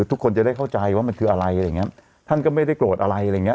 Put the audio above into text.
ทุกคนจะได้เข้าใจว่ามันคืออะไรอะไรอย่างเงี้ยท่านก็ไม่ได้โกรธอะไรอะไรอย่างเงี้